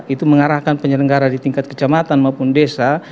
itu mengarahkan penyelenggara di tingkat kecamatan maupun desa